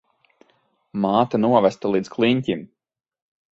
Māte novesta līdz kliņķim.